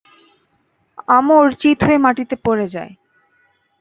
আমর চিৎ হয়ে মাটিতে পড়ে যায়।